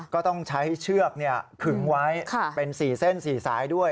ก็ต้องใช้เชือกขึงไว้เป็น๔เส้น๔สายด้วย